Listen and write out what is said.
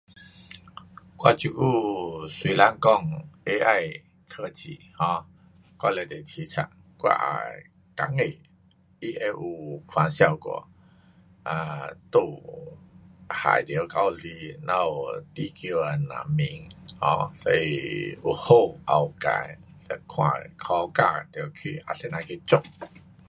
我这久虽然讲 AI 科技 um 我非常期待，我也担心它会有反效果。um 就害到到时我们地球的人民 um 所以有好也有坏。看科学家得去，怎么样去做。